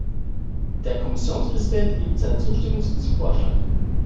Der Kommissionspräsident gibt seine Zustimmung zu diesem Vorschlag.